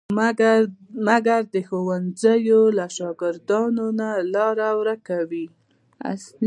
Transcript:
مګر د ښوونځیو له شاګردانو لاره ورکوي.